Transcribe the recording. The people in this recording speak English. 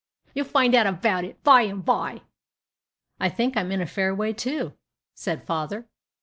You'll find out about it by and by." "I think I'm in a fair way to," said the father.